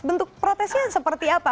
bentuk protesnya seperti apa